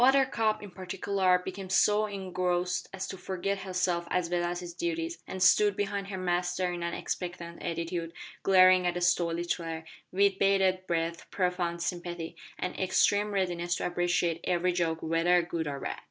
Buttercup, in particular, became so engrossed as to forget herself as well as her duties, and stood behind her master in an expectant attitude, glaring at the story teller, with bated breath, profound sympathy, and extreme readiness to appreciate every joke whether good or bad.